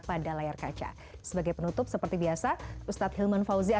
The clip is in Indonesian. kami akan kembali sesaat lagi